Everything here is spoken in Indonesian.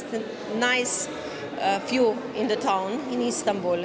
pemandangan terbaik terbaik di kota di istanbul